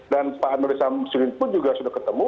dan pak andri samusulin pun juga sudah ketemu